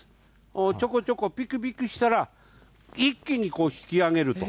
ちょこちょこ、ぴくぴくしたら、一気にこう引き上げると。